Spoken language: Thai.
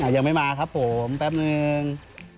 ยังไม่มาครับผมแป๊บนึง